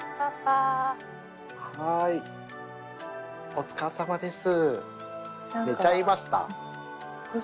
お疲れさまです。